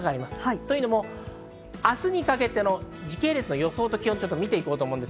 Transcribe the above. というのも明日にかけての時系列の予想と気温を見ていきます。